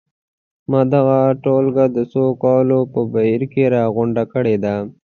ما دغه ټولګه د څو کلونو په بهیر کې راغونډه کړې ده.